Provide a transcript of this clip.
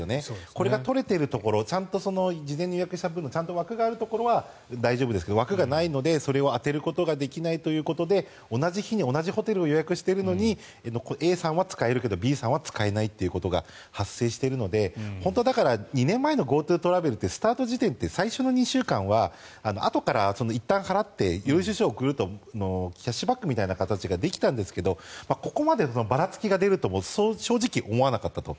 これが取れているところちゃんと事前に予約したところの枠があるところは大丈夫ですが枠がないのでそれを当てることができないというのが同じ日に同じホテルを予約しているのにＡさんは使えるけどＢさんは使えないというのが発生しているので本当は２年前のＧｏＴｏトラベルでスタート時点で最初の２週間はあとから払って領収書を送るとキャッシュバックみたいな形ができたんですがここまでばらつきが出ると正直思わなかったと。